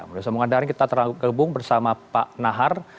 menurut saya kita terhubung bersama pak nahar